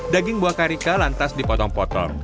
daging buah karika lantas dipotong potong